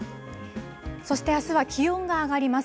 そして、あすは気温が上がります。